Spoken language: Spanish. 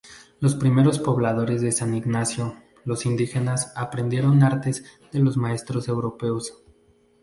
Los primeros pobladores de San Ignacio, los indígenas aprendieron artes de los maestros europeos.